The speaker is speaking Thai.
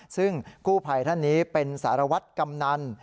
ซึ่งกู้ภัยท่านนี้เป็นสารวัตรกำนัน